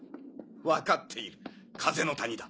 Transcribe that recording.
分かっている風の谷だ。